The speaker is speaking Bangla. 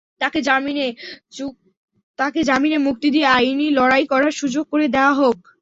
তাঁকে জামিনে মুক্তি দিয়ে আইনি লড়াই করার সুযোগ করে দেওয়া হোক।